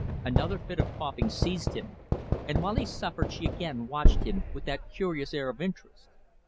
Another fit of coughing seized him, and while he suffered she again watched him with that curious air of interest.